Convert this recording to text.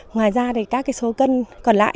ngoài ra các số cân còn lại